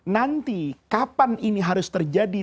nanti kapan ini harus terjadi